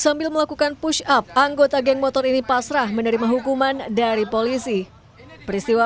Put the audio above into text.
sambil melakukan push up anggota geng motor ini pasrah menerima hukuman dari polisi peristiwa